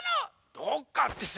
どっかってさ